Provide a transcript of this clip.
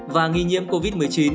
và nghi nhiễm covid một mươi chín